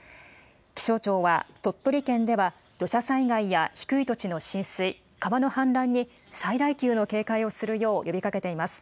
気象庁は、鳥取県では土砂災害や低い土地の浸水、川の氾濫に、最大級の警戒をするよう呼びかけています。